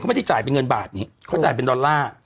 ไม่ได้จ่ายเป็นเงินบาทนี้เขาจ่ายเป็นดอลลาร์